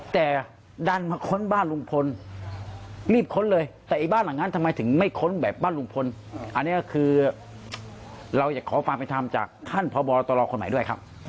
แต่ดันมาค้นบ้านลุงพลรีบค้นเลยแต่ไอ้บ้านหลังนั้นทำไมถึงไม่ค้นแบบบ้านลุงพลอันนี้ก็คือเราอยากขอความเป็นธรรมจากท่านพบตรคนใหม่ด้วยครับ